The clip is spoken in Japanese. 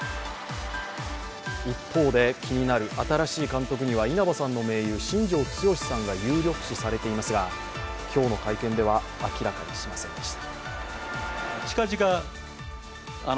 一方で気になる新しい監督には稲葉さんの盟友、新庄剛志さんが有力視されていますが今日の会見では明らかにしませんでした。